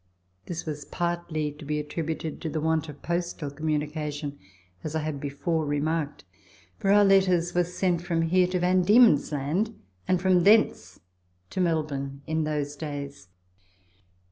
This was partly to be attributed to the want of postal com munication, as I have before remarked, for our letters were sent 28 Letters from Victorian Pioneers. from hero to V. D. Land, and from thence to Melbourne, in those days.